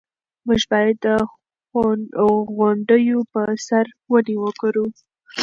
موږ باید د غونډیو په سر ونې وکرو.